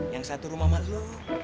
yang satu rumah emak lu